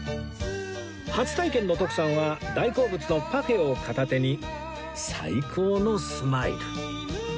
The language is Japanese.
初体験の徳さんは大好物のパフェを片手に最高のスマイル